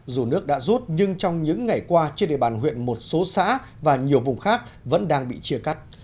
dù nước đã rút nhưng trong những ngày qua trên địa bàn huyện một số xã và nhiều vùng khác vẫn đang bị chia cắt